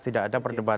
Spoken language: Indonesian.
tidak ada perdebatan